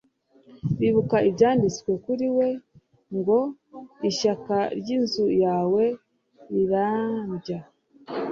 Bibuka ibyanditswe kuri we ngo : "Ishyaka ry'inzu yawe rirandya."